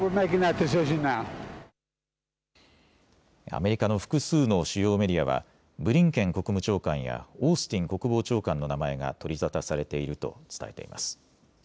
アメリカの複数の主要メディアはブリンケン国務長官やオースティン国防長官の名前が取り沙汰されていると伝えています。